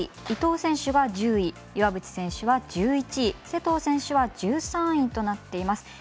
伊藤選手は１０位岩渕選手は１１位勢藤選手は１３位となっています。